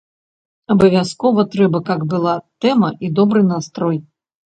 Абавязкова трэба, каб была тэма і добры настрой.